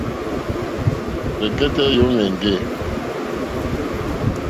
Rzɛ̀kɛ́tɛ́ yǒmà éŋɡê.